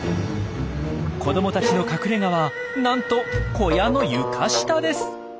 子どもたちの隠れがはなんと小屋の床下です！